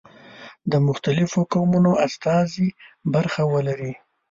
د مختلفو قومونو استازي برخه ولري.